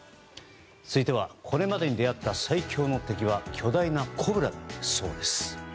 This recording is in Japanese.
続いてはこれまでに出会った最強の敵は巨大なコブラだそうです。